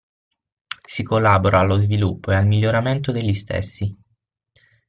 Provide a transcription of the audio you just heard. Si collabora allo sviluppo ed al miglioramento degli stessi.